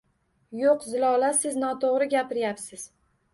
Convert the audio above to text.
Yo`q, Zilola, siz noto`g`ri gapiryapsiz